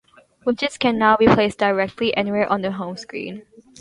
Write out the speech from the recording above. Widgets can now be placed directly anywhere on the home screen.